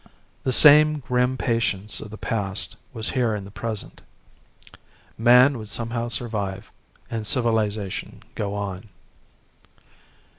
The same grim patience of the past was here in the present. Man would somehow survive, and civilization go on.